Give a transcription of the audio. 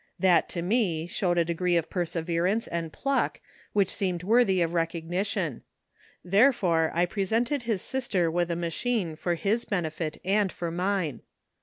That, to me, showed a degree of perseverance ''luck:' 329 and pluck which seemed worthy of recognition. Therefore I presented his sister with a machine for his benefit and for mine.